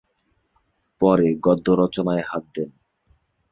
পরে গদ্য রচনায় হাত দেন।